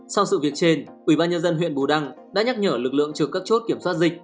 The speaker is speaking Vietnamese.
sau sự việc trên ubnd huyện bù đăng đã nhắc nhở lực lượng trực các chốt kiểm soát dịch